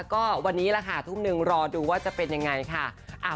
ก็วันนี้แหละค่ะทุ่มหนึ่งรอดูว่าจะเป็นยังไงค่ะ